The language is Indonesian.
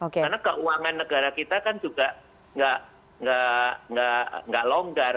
karena keuangan negara kita kan juga tidak longgar